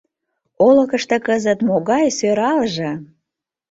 Олыкышто кызыт могай сӧралже!